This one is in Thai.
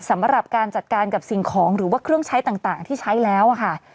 สำหรับการจัดการกับสิ่งของหรือว่าเครื่องใช้ต่างที่ใช้แล้วค่ะ